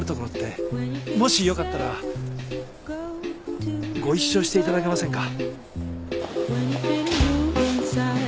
もしよかったらご一緒していただけませんか？